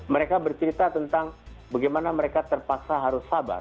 mereka bercerita tentang bagaimana mereka terpaksa harus sabar